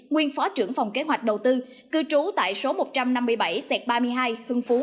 nguyên phó trưởng phòng kế hoạch đầu tư cư trú tại số một trăm năm mươi bảy xẹt ba mươi hai hưng phú